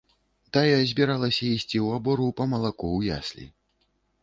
Тая збіралася ісці ў абору па малако ў яслі.